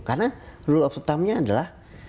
karena rule of thumb nya adalah